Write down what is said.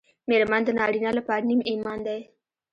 مېرمن د نارینه لپاره نیم ایمان دی